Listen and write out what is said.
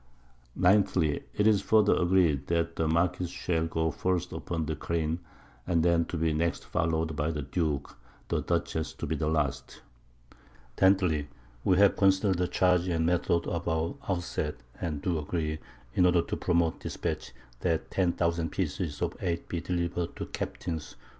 _ 9thly, It is further agreed, That the Marquiss shall go first upon the careen; and then to be next followed by the Duke; the Dutchess to be the last. 10thly, _We have consider'd the Charge and Method of our Out sett, and do agree, in order to promote Dispatch, that 10000 Pieces of 8 be deliver'd to Capts.